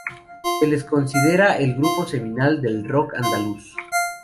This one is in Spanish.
Se les considera el grupo seminal del Rock andaluz.